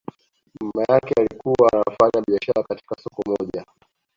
Mama yake alikuwa anafanya biashara katika soko moja